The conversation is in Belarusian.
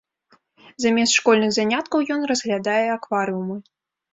Замест школьных заняткаў ён разглядае акварыумы.